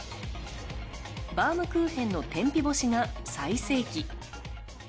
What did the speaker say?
バウムクーヘンの天日干しが最盛期。